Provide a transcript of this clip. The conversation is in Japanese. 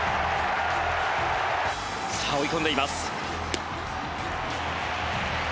さあ追い込んでいます。